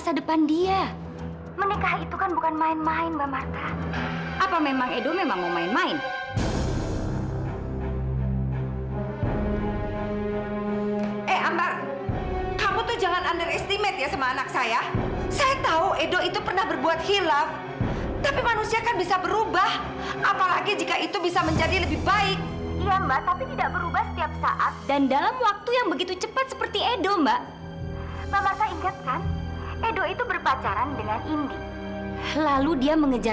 sampai jumpa di video selanjutnya